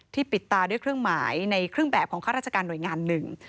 ปิดตาด้วยเครื่องหมายในเครื่องแบบของข้าราชการหน่วยงานหนึ่ง